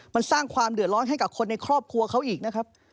มันสร้างความเดือดร้อนให้กับคนในครอบครัวเขาอีกนะครับ